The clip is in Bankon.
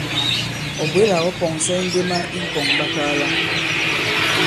Ɔ̀ bwě la ɔ̃ pɔ̀ŋsɛ indema ì ŋ̀kɔ̀ŋɓakaala.